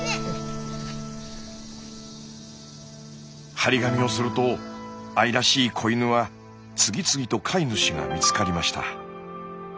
貼り紙をすると愛らしい子犬は次々と飼い主が見つかりました。